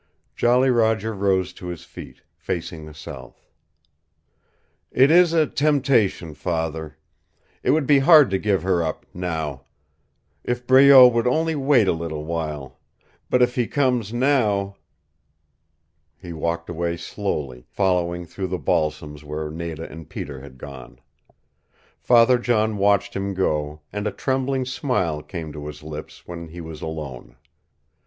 Jolly Roger rose to his feet, facing the south. "It is a temptation, father. It would be hard to give her up now. If Breault would only wait a little while. But if he comes NOW " He walked away slowly, following through the balsams where Nada and Peter had gone. Father John watched him go, and a trembling smile came to his lips when he was alone.